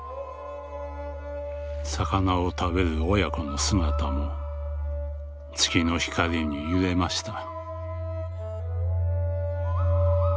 「魚を食べる親子の姿も月の光に揺れました」。